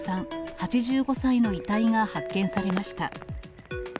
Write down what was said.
８５歳の遺体が発見されました。